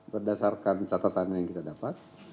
berdasarkan catatan yang kita dapat